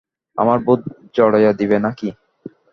আমার ভূত ঝাড়াইয়া দিবে নাকি।